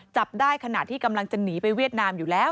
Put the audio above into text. จับได้ขณะที่กำลังจะหนีไปเวียดนามอยู่แล้ว